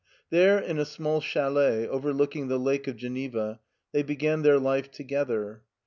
There, in a small chalet overlooking the lake of Geneva, they began their life together.